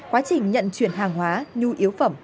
quá trình nhận chuyển hàng hóa nhu yếu phẩm